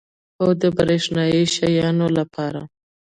هو، د بریښنایی شیانو لپاره